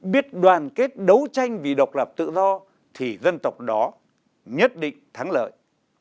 biết đoàn kết đấu tranh vì độc lập tự do thì dân tộc đó nhất định thắng lợi